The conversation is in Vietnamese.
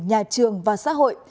nhà trường và xã hội